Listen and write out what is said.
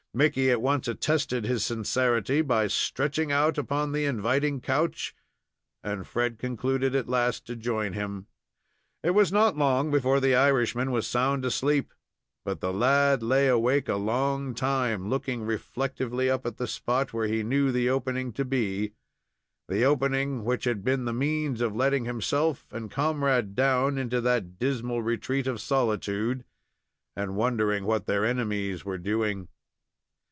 Mickey at once attested his sincerity by stretching out upon the inviting couch, and Fred concluded at last to join him. It was not long before the Irishman was sound asleep, but the lad lay awake a long time, looking reflectively up at the spot where he knew the opening to be, the opening which had been the means of letting himself and comrade down into that dismal retreat of solitude, and wondering what their enemies were doing.